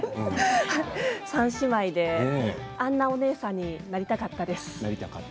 三姉妹であんなお姉さんになりたかったです。